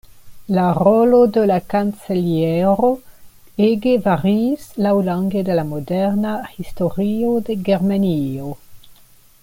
La rolo de la Kanceliero ege variis laŭlonge de la moderna historio de Germanio.